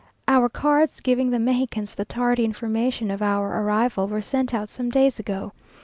Our cards, giving the Mexicans the tardy information of our arrival, were sent out some days ago.